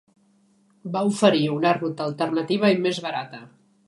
Va oferir una ruta alternativa i més barata.